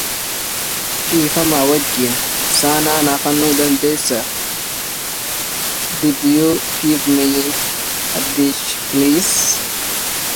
مت بالشعر يا غلام فأضحى